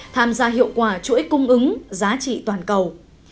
tham gia hiệu quả chuỗi cung ứng giá trị toàn cầu